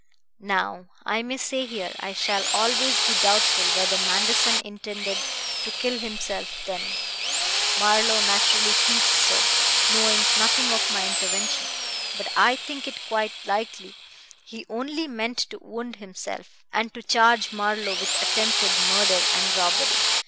"Now I may say here I shall always be doubtful whether Manderson intended to kill himself then. Marlowe naturally thinks so, knowing nothing of my intervention. But I think it quite likely he only meant to wound himself, and to charge Marlowe with attempted murder and robbery.